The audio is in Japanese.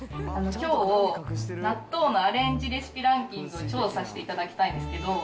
きょう、納豆のアレンジレシピランキングを調査していただきたいんですけど。